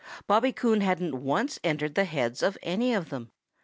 Bobby Coon hadn't once entered the heads of any of them.